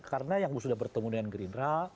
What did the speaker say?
karena yang sudah bertemu dengan gerindra